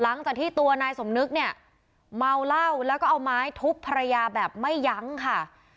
หลังจากที่ตัวนายสมนึกเนี่ยเมาเหล้าแล้วก็เอาไม้ทุบภรรยาแบบไม่ยั้งค่ะ